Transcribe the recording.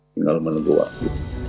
tinggal menunggu waktu